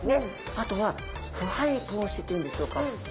あとはふはい防止っていうんでしょうか。